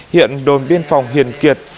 hiện đồn biên phòng hiền kiệt